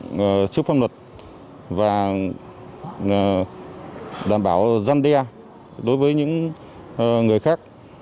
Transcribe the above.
đối tượng chức phong luật và đảm bảo giam đe đối với những người khác